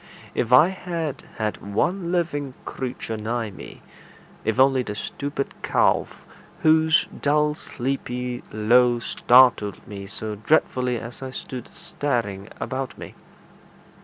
If I had had one living creature nigh me if only the stupid calf, whose dull sleepy low startled me so dreadfully as I stood staring about me!